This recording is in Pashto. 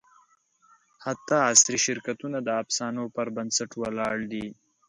حتی عصري شرکتونه د افسانو پر بنسټ ولاړ دي.